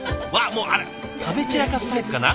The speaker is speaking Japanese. もうあら食べ散らかすタイプかな？